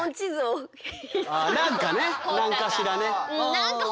何かね何かしらね。